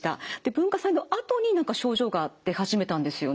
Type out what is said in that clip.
文化祭のあとに何か症状が出始めたんですよね。